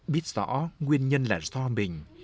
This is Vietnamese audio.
biết rõ nguyên nhân là do mình